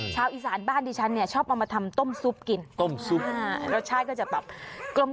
ชาวอีสานบ้านดิฉันเนี่ยชอบเอามาทำต้มซุปกินต้มซุปรสชาติก็จะแบบกลม